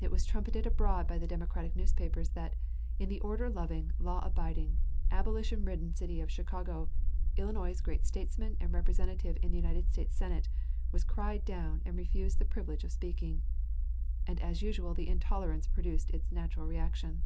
It was trumpeted abroad by the Democratic newspapers that "in the order loving, law abiding, abolition ridden city of Chicago, Illinois's great statesman and representative in the United States Senate was cried down and refused the privilege of speaking"; and as usual the intolerance produced its natural reaction.